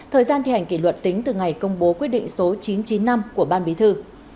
thời gian thi hành kỷ luật tính từ ngày công bố quyết định số chín trăm chín mươi năm của ban bí thư